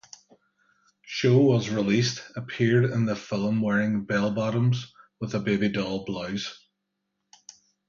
Show was released, appeared in the film wearing bell-bottoms with a baby doll blouse.